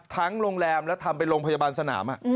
โรงแรมและทำเป็นโรงพยาบาลสนาม